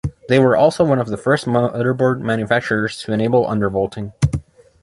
They were also one of the first motherboard manufacturers to enable undervolting.